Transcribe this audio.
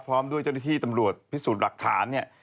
พร้อมด้วยเจ้าหน้าที่ตำรวจพิสูจน์หลักฐานเนี่ย